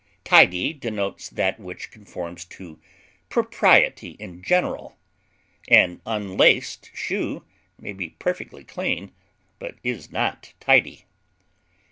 Tidy denotes that which conforms to propriety in general; an unlaced shoe may be perfectly clean, but is not tidy.